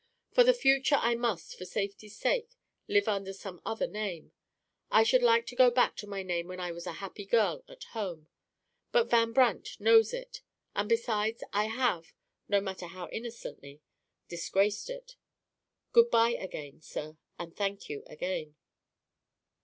For the future I must, for safety's sake, live under some other name. I should like to go back to my name when I was a happy girl at home. But Van Brandt knows it; and, besides, I have (no matter how innocently) disgraced it. Good by again, sir; and thank you again."